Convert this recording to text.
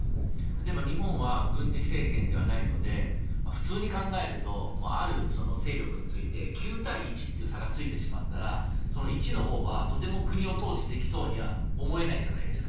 例えば日本は軍事政権ではないので普通に考えるとある勢力について９対１という差がついたら１のほうはとても国を統治できるとは思えないじゃないですか。